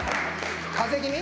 風邪気味？